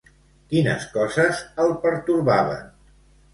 Quines coses el pertorbaven?